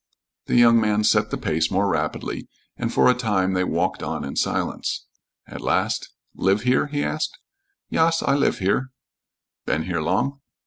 The young man set the pace more rapidly, and for a time they walked on in silence. At last, "Live here?" he asked. "Yas, I lif here." "Been here long?"